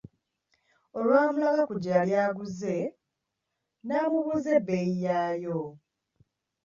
Olwamulaga ku gye yali aguze, n'amubuuza ebbeeyi yaayo.